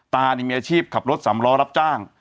ตานี่มีอาชีพขับรถสำล้อรับจ้าง